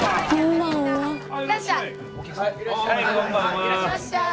いらっしゃい。